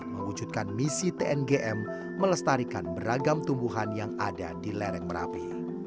mewujudkan misi tng melestarikan beragam tumbuhan yang ada di lereng merapi